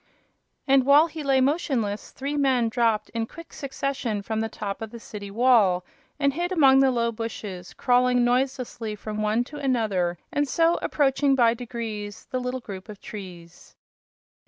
And while he lay motionless three men dropped in quick succession from the top of the city wall and hid among the low bushes, crawling noiselessly from one to another and so approaching, by degrees, the little group of trees.